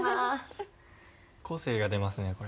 個性が出ますねこれ。